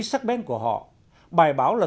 sắc bén của họ bài báo là